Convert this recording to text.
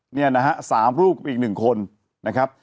เนี่ยนะฮะสามลูกกับอีกหนึ่งคนนะครับ